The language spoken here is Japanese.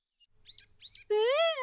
うん。